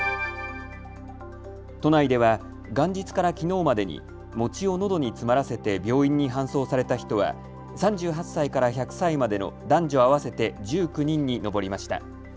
都内では元日からきのうまでに餅をのどに詰まらせて病院に搬送された人は３８歳から１００歳までの男女合わせて１９人に上りました。